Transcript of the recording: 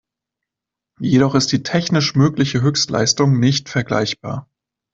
Jedoch ist die technisch mögliche Höchstleistung nicht vergleichbar.